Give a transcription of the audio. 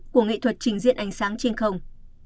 của nghệ thuật trình diện ánh sáng trên không